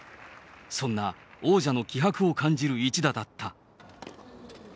そんな王者の気迫を感じる一打だった。